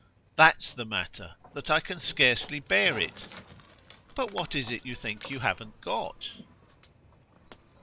"That's the matter that I can scarcely bear it." "But what is it you think you haven't got?"